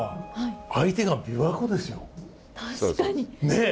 ねえ。